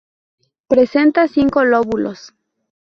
Presenta cinco lóbulos.